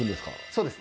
そうです。